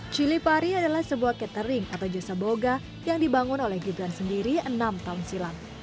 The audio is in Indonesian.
cili pari adalah sebuah catering atau jasa boga yang dibangun oleh gibran sendiri enam tahun silam